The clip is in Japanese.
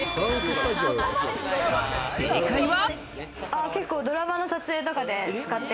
正解は。